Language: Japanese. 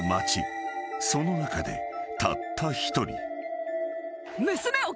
［その中でたった一人］